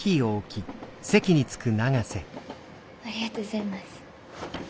ありがとうございます。